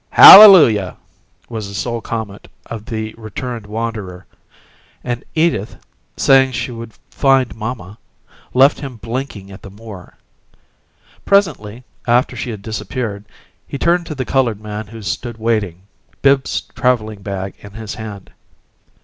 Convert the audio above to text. "Hallelujah!" was the sole comment of the returned wanderer, and Edith, saying she would "find mamma," left him blinking at the Moor. Presently, after she had disappeared, he turned to the colored man who stood waiting, Bibbs's traveling bag in his hand.